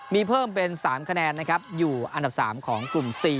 มีเพิ่มเป็น๓คะแนนนะครับอยู่อันดับ๓ของกลุ่ม๔